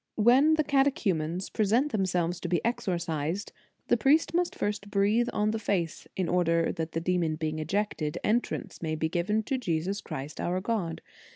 "When the catechumens present them selves to be exorcised, the priest must first breathe on the face, in order that the demon being ejected, entrance may be given to Jesus Christ, our God.